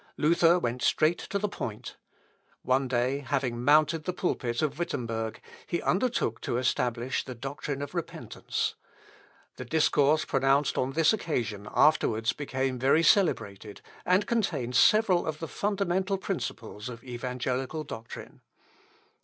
Luther went straight to the point. One day, having mounted the pulpit of Wittemberg, he undertook to establish the doctrine of repentance. The discourse pronounced on this occasion afterwards became very celebrated, and contains several of the fundamental principles of evangelical doctrine.